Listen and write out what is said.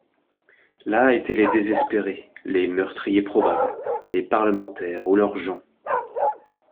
Là étaient les désespérés, les meurtriers probables, les parlementaires ou leurs gens.